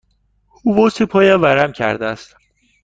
مچ پایم ورم کرده است.